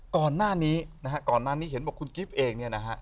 ก่อนหน้านี้นะฮะก่อนหน้านี้เห็นบอกคุณกิฟต์เองเนี่ยนะฮะ